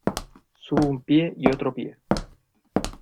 sube un pie y otro pie.